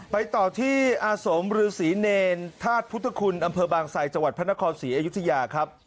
ไปต่อที่อาสมฤษีเนรธาตุพุทธคุณอำเภอบางไซจังหวัดพระนครศรีอยุธยาครับ